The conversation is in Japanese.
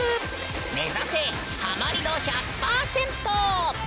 目指せハマり度１００％！